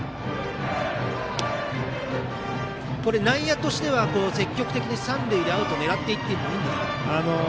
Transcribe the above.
内野としては積極的に三塁でアウトを狙っていってもいいんですか。